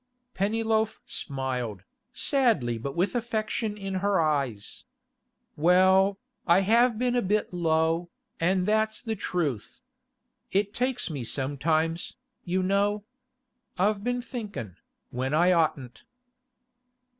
Pennyloaf smiled, sadly but with affection in her eyes. 'Well, I have been a bit low, an' that's the truth. It takes me sometimes, you know. I've been thinkin', when I'd oughtn't.